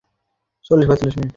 আমার বাঁধন খুলবে না?